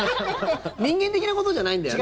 人間的なことじゃないんだよね。